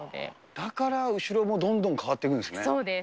だから後ろもどんどん変わっそうです。